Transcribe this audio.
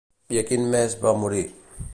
I a quin mes va morir?